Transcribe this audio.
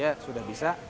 ya sudah bisa